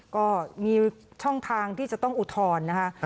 ก็มีช่องทางที่จะต้องอุทธรณ์นะคะ